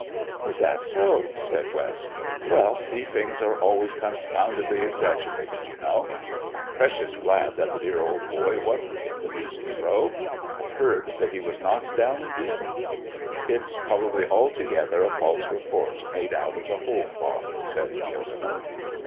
"Is that so?" said West. "Well, these things are always confoundedly exaggerated, you know. I'm precious glad that the dear old boy wasn't in the beastly row. I heard that he was knocked down and beaten." "It's probably altogether a false report made out of the whole cloth," said Gilderman.